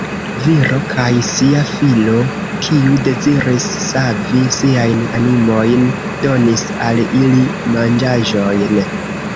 Viro kaj sia filo, kiu deziris savi siajn animojn, donis al ili manĝaĵojn.